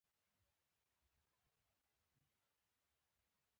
د مځکې ځینې برخې د زرګونو کلونو تاریخ لري.